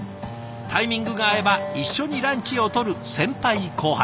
タイミングが合えば一緒にランチをとる先輩後輩。